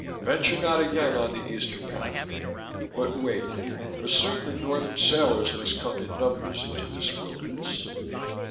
Venture not again on the Eastern continent, but wait, for soon the Northern sailors must come in numbers into this wilderness.